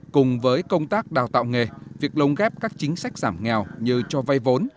cùng với công tác đào tạo nghề việc lồng ghép các chính sách giảm nghèo như cho vay vốn